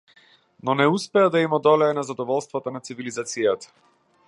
Но не успеа да им одолее на задоволствата на цивилизацијата.